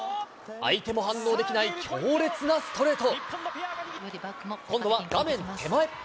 相手も反応できない、強烈なストレート。